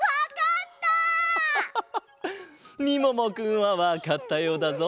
みももくんはわかったようだぞ。